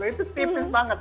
itu tipis banget